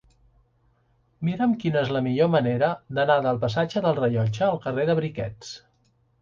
Mira'm quina és la millor manera d'anar del passatge del Rellotge al carrer de Briquets.